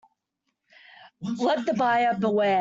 Let the buyer beware.